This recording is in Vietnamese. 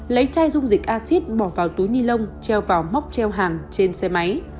lấy chai dung dịch acid bỏ vào túi nilon treo vào móc treo hàng trên xe máy